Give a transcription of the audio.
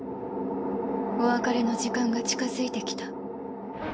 お別れの時間が近づいてきた。